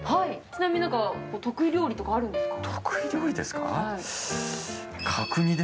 ちなみに何か得意料理とかあるんですか？